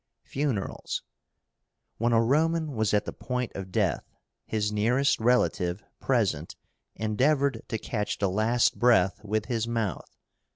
FUNERALS. When a Roman was at the point of death, his nearest relative present endeavored to catch the last breath with his mouth.